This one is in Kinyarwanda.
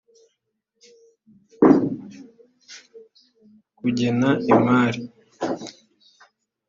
kugena imari